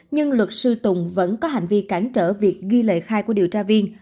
nhưng luật sư tùng vẫn có hành vi cản trở việc ghi lời khai của điều tra viên